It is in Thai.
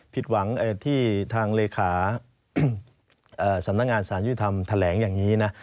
ผิดหวังที่ทางเลขาสำนักงานสารยุทธรรมแถลงอย่างนี้นะ